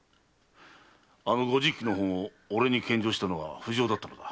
あの御実記の本を俺に献上したのは藤尾だったのだ。